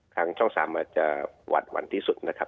ทางช่องสามอาจจะหวั่นที่สุดนะครับ